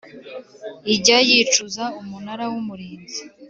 ijya yicuza Umunara w Umurinzi